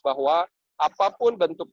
bahwa apapun bentuk